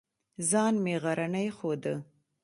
ځان مې غرنی ښوده.